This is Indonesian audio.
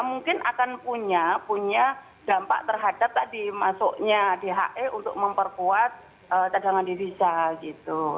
mungkin akan punya dampak terhadap tadi masuknya dhe untuk memperkuat cadangan divisa gitu